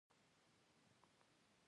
زه له وړکتوبه له کیسو سره علاقه لرم.